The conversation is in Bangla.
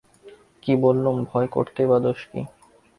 আমি বললুম, ভয় করতেই বা দোষ কী?